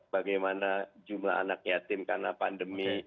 bagaimana jumlah anak yatim karena pandemi